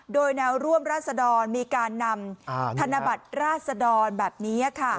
โดยแนวร่วมราศดรมีการนำธนบัตรราษดรแบบนี้